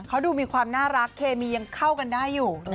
เขาดูมีความน่ารักเคมียังเข้ากันได้อยู่